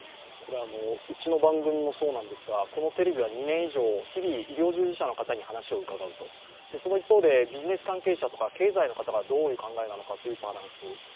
うちの番組もそうなんですが、このテレビは２年以上日々、医療従事者の方に話を伺うとその一方で、ビジネス関係者とか経済の方がどういう考えなのかというバランス。